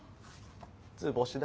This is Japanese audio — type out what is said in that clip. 図星だ。